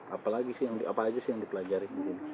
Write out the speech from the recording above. apa lagi sih yang dipelajari